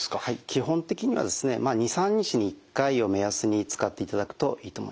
基本的には２３日に１回を目安に使っていただくといいと思います。